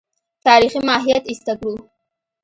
تاریخي ماهیت ایسته کړو.